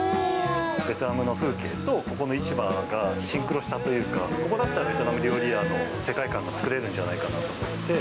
ベトナムの風景と、ここの市場がシンクロしたというか、ここだったらベトナム料理屋の世界観が作れるんじゃないかと思って。